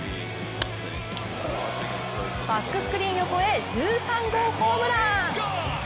バックスクリーン横へ１３号ホームラン！